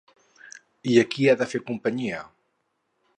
I a qui ha de fer companyia?